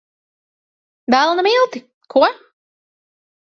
Velna milti! Ko?